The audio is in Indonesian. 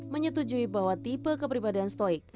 menyetujui bahwa tipe kepribadian stoik